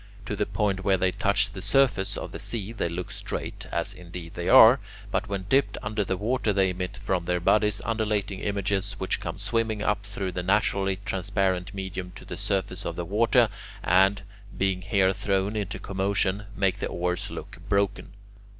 To the point where they touch the surface of the sea they look straight, as indeed they are, but when dipped under the water they emit from their bodies undulating images which come swimming up through the naturally transparent medium to the surface of the water, and, being there thrown into commotion, make the oars look broken.